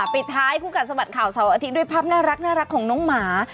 ปิดท้ายคู่กัดสะบัดข่าวเสาร์อาทิตย์ด้วยภาพน่ารักของน้องหมา